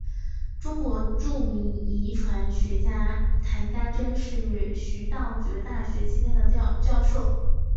中国著名遗传学家谈家桢是徐道觉大学期间的教授。